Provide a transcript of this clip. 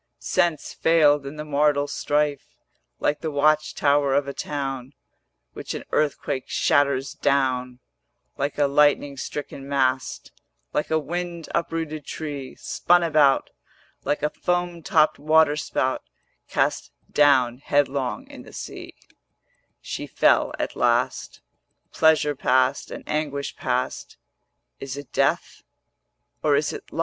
Sense failed in the mortal strife: Like the watch tower of a town Which an earthquake shatters down, Like a lightning stricken mast, Like a wind uprooted tree Spun about, Like a foam topped waterspout Cast down headlong in the sea, 520 She fell at last; Pleasure past and anguish past, Is it death or is it life?